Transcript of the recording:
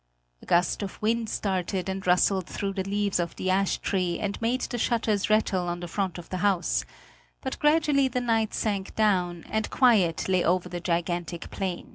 A gust of wind started and rustled through the leaves of the ash tree and made the shutters rattle on the front of the house; but gradually the night sank down, and quiet lay over the gigantic plain.